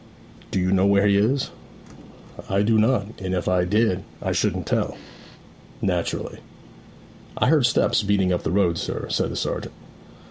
'Do you know where he is?' 'I do not; and if I did I shouldn't tell.' 'Naturally.' 'I heard steps beating up the road, sir,' said the sergeant.